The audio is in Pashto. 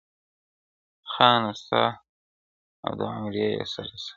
• خانه ستا او د عُمرې یې سره څه,